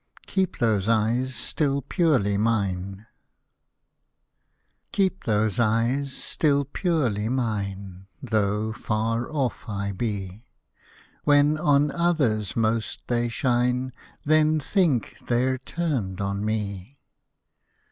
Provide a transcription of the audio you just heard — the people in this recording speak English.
KEEP THOSE EYES STILL PURELY MINE Keep those eyes still purely mine Tho' far off I be : When on others most they shine, Then think they're turned on me.